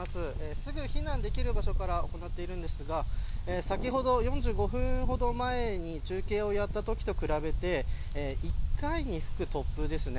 すぐ避難できる場所から行っているんですが先ほど、４５分ほど前に中継をしたときと比べて１回に吹く突風ですね。